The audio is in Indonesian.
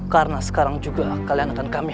karena sekarang juga kalian akan kami